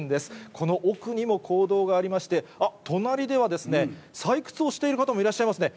この奥にも坑道がありまして、あっ、隣ではですね、採掘をしている方もいらっしゃいますね。